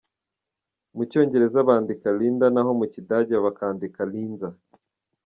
Mu cyongereza bandika Lynda naho mu kidage bakandika Linza.